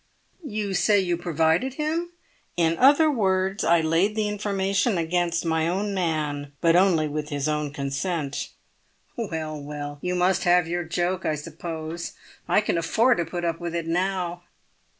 "You say you provided him?" "In other words, I laid the information against my own man, but only with his own consent." "Well, well, you must have your joke, I suppose. I can afford to put up with it now."